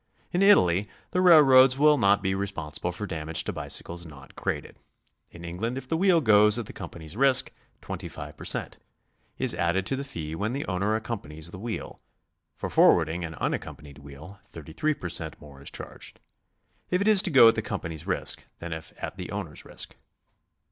In Italy the railroads will not be responsible for damage to bicycles not crated. In England if the wheel goes at the Company's risk, 25 per cent, is added to the fee when the owner accompanies the wheel: for forwarding an unaccompanied wheel, 33 per cent, more is charged if it is to go at the Company's risk than if at the owner's risk.